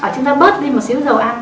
chúng ta bớt đi một xíu dầu ăn